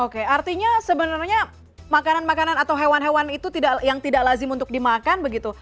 oke artinya sebenarnya makanan makanan atau hewan hewan itu yang tidak lazim untuk dimakan begitu